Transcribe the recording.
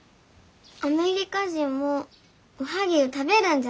アメリカ人もおはぎゅう食べるんじゃなあ。